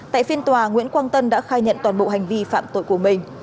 tại phiên tòa nguyễn quang tân đã khai nhận toàn bộ hành vi phạm tội của mình